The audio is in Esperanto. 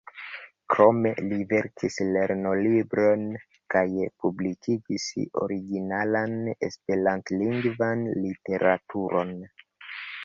Krome, li verkis lernolibron kaj publikigis originalan esperantlingvan literaturon.